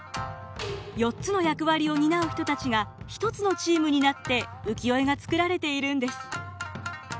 ４つの役割を担う人たちが１つのチームになって浮世絵が作られているんです。